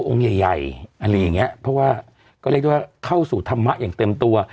ใหญ่ใหญ่อะไรอย่างเงี้ยเพราะว่าก็เรียกได้ว่าเข้าสู่ธรรมะอย่างเต็มตัว